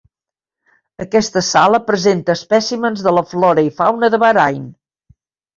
Aquesta sala presenta espècimens de la flora i fauna de Bahrain.